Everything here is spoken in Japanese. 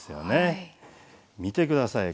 見て下さい。